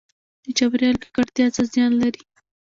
د چاپیریال ککړتیا څه زیان لري؟